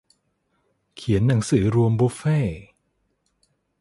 เขียนหนังสือรวมบุฟเฟต์